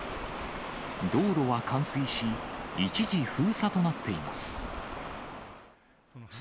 道路は冠水し、一時、封鎖となっています。